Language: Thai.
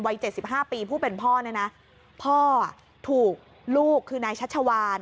วัยเจ็ดสิบห้าปีผู้เป็นพ่อเนี่ยนะพ่อถูกลูกคือนายชัชวาน